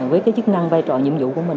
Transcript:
với chức năng vai trò nhiệm vụ của mình